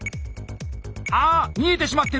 あっ⁉見えてしまってる！